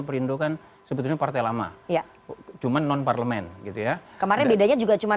perindukan sebetulnya partai lama ya cuman nonparlemen gitu ya kemarin bedanya juga cuman